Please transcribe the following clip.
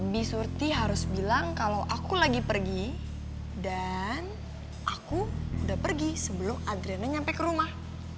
be surti harus bilang kalau aku lagi pergi dan aku udah pergi sebelum adriana nyampe ke rumah